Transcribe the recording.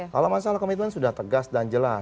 kalau masalah komitmen sudah tegas dan jelas